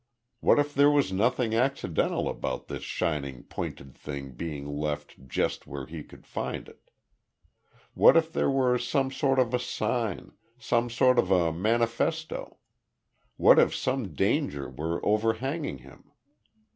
What if there was nothing accidental about this shining pointed thing being left just where he could find it. What if it were some sort of a sign, some sort of a manifesto? What if some danger were overhanging him?